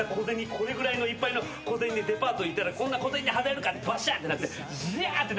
これぐらいのいっぱいの小銭でデパート行ったらこんな小銭で払えるかってバシャンってなってジャーって。